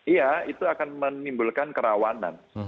iya itu akan menimbulkan kerawanan